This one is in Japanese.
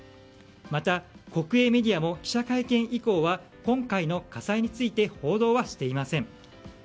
また国営メディアも記者会見以降は今回の火災について報道はしていません。